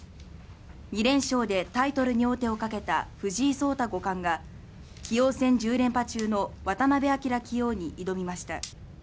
２連勝でタイトルに王手をかけた藤井聡太五冠が棋王戦１０連覇中の渡辺明棋王に挑みました。